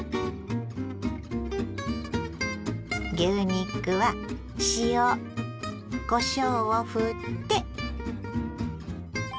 牛肉は塩こしょうをふって。